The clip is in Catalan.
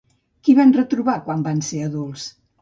Qui van retrobar quan van ser adults?